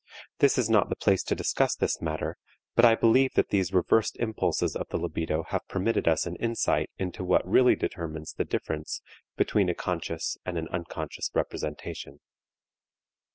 This is not the place to discuss this matter, but I believe that these reversed impulses of the libido have permitted us an insight into what really determines the difference between a conscious and an unconscious representation.